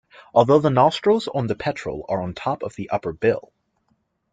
Although the nostrils on the petrel are on top of the upper bill.